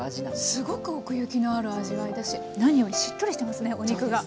すごく奥行きのある味わいだし何よりしっとりしてますねお肉が。